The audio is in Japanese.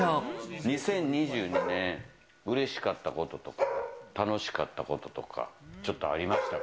２０２２年、うれしかったこととか、楽しかったこととか、ちょっとありましたか？